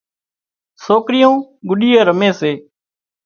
سوڪريون گڏيئي رمي سي